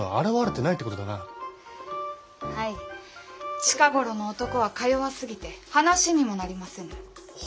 近頃の男はかよわすぎて話にもなりませぬ。